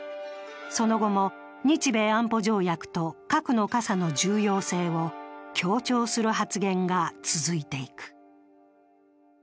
その後も日米安保条約と核の傘の重要性を強調する発言が続いていく。